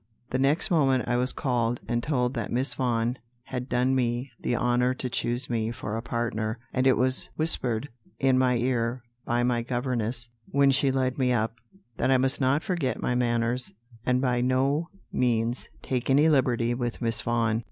The next moment I was called, and told that Miss Vaughan had done me the honour to choose me for a partner; and it was whispered in my ear by my governess, when she led me up, that I must not forget my manners, and by no means take any liberty with Miss Vaughan.